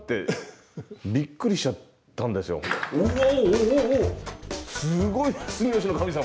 うわおおすごいな住吉の神様。